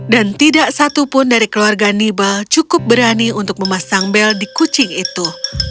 dan tidak satu pun dari keluarga nibel cukup berani untuk memasang bel di kucing itu